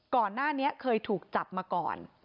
ก่อนหน้านี้เคยถูกจับมาก่อน